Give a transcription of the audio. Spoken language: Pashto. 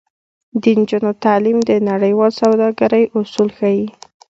د نجونو تعلیم د نړیوال سوداګرۍ اصول ښيي.